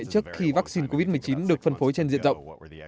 trước khi vaccine covid một mươi chín được phân phối trên diện rộng